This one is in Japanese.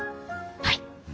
はい。